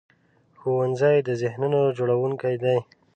ښوونځی د ذهنونو جوړوونکی دی